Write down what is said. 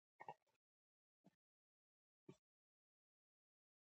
زه څنګه نقل وکړم؟